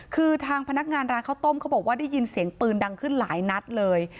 คือทางพนักงานร้านข้าวต้มเขาบอกว่าได้ยินเสียงปืนดังขึ้นหลายนัดเลย